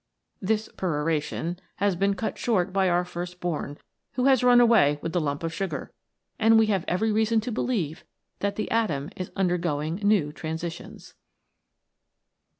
This peroration has been cut short by our first born, who has run away with the lump of sugar, and we have every reason to believe that the atom is undergoing new transitions.